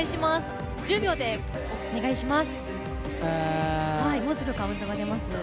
１０秒でお願いします。